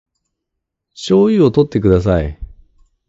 醤油をとってください